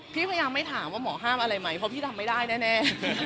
พี่พยายามไม่ถามว่าหมอห้ามอะไรไหมเพราะพี่ทำไม่ได้แน่